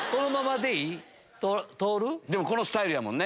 でもこのスタイルやもんね。